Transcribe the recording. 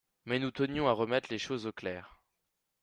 mais nous tenions à remettre les choses au clair.